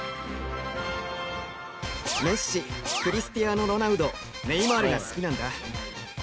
メッシクリスティアーノ・ロナウドネイマールが好きなんだ。